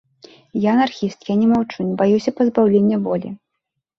Я анархіст, я не маўчу, не баюся пазбаўлення волі.